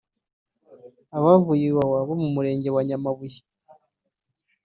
Abavuye Iwawa bo mu mirenge ya Nyamabuye